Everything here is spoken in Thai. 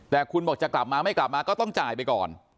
แต่คุณบอกจะกลับมาไม่กลับมาก็ต้องจ่ายไปก่อน